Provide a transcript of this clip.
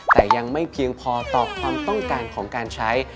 แต่ยังไม่เพียงพอต่อความต้องการของการใช้